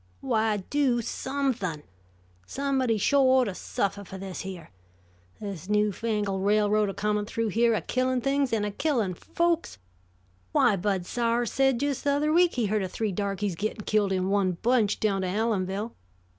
Why, do somethin'! Somebody sho' ought to suffer for this here. This new fangled railroad a comin' through here, a killing things an' a killing folks! Why, Bud Sowers said just the other week he heard of three darkies gittin' killed in one bunch down to Allenville.